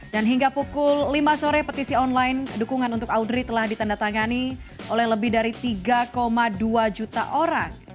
dan hingga pukul lima sore petisi online dukungan untuk audrey telah ditandatangani oleh lebih dari tiga dua juta orang